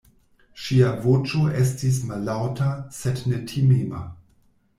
Ŝia voĉo estis mallaŭta, sed ne timema.